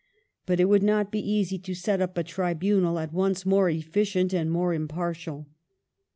But it would not be easy to set up a tribunal at once more efficient and more impartial.